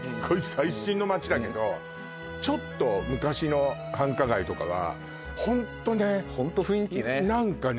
最新の街だけどちょっと昔の繁華街とかはホントねホント雰囲気ね何かね